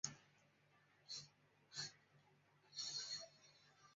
近优越虎耳草为虎耳草科虎耳草属下的一个种。